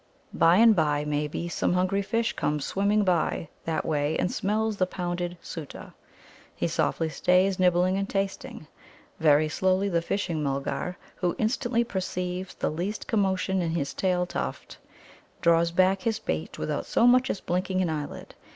By and by, maybe, some hungry fish comes swimming by that way and smells the pounded Soota. He softly stays, nibbling and tasting. Very slowly the Fishing mulgar, who instantly perceives the least commotion in his tail tuft, draws back his bait without so much as blinking an eyelid.